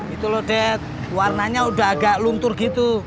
itu loh dad warnanya udah agak luntur gitu